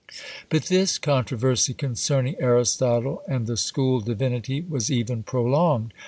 But this controversy concerning Aristotle and the school divinity was even prolonged.